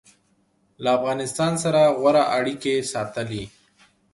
له افغانستان سره غوره اړیکې ساتلي